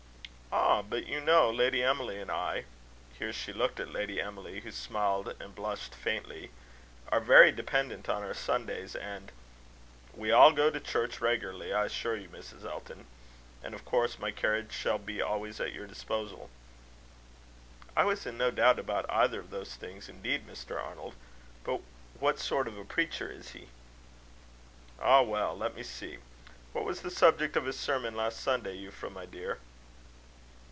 "Ah! but you know, Lady Emily and I" here she looked at Lady Emily, who smiled and blushed faintly, "are very dependent on our Sundays, and" "We all go to church regularly, I assure you, Mrs. Elton; and of course my carriage shall be always at your disposal." "I was in no doubt about either of those things, indeed, Mr. Arnold. But what sort of a preacher is he?" "Ah, well! let me see. What was the subject of his sermon last Sunday, Euphra, my dear?"